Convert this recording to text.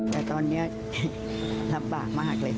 แต่ตอนนี้ลำบากมากเลย